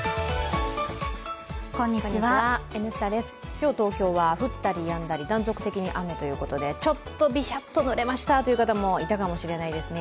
今日、東京は降ったりやんだり断続的に雨ということで、ちょっとびしゃっとぬれましたという方もいたかもしれないですね。